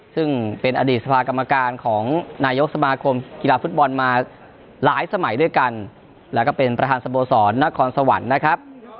ซึ่งเป็นอดีตสภากรรมการของนายกสมาคมกีฬาฟุตบอลมาหลายสมัยด้วยกันแล้วก็เป็นประธานสโมสรนครสวรรค์นะครับ